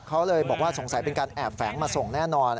เขาเลยบอกว่าสงสัยเป็นการแอบแฝงมาส่งแน่นอน